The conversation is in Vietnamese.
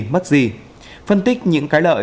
mất gì phân tích những cái lợi